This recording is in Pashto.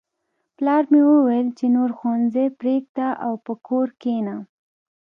پلار مې وویل چې نور ښوونځی پریږده او په کور کښېنه